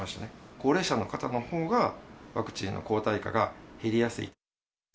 高齢者の方のほうがワクチンの抗体価が減りやすい。